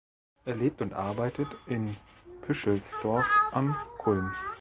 Er lebt und arbeitet in Pischelsdorf am Kulm.